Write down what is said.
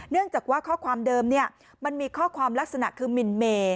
เนื่องจากว่าข้อความเดิมมันมีข้อความลักษณะคือมินเม